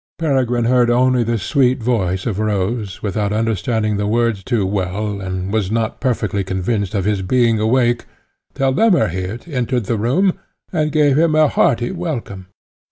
Peregrine heard only the sweet voice of Rose, without understanding the words too well, and was not perfectly convinced of his being awake, till Lemmerhirt entered the room, and gave him a hearty welcome.